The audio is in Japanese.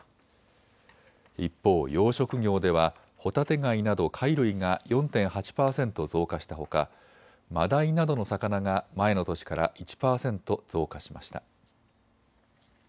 一方、養殖業ではホタテ貝など貝類が４．８％増加したほかマダイなどの魚が前の年から１％増加しました。